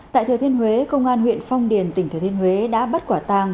tại thừa thiên huế công an huyện phong điền tỉnh thừa thiên huế đã bắt quả tàng